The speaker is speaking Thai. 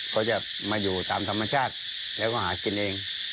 เขาจะมาอยู่ตามธรรมชาติแล้วก็หากินเอง